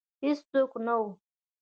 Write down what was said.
هیڅوک نه وه